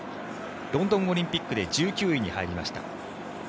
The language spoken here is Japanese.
ロンドンオリンピックで１９位に入りました。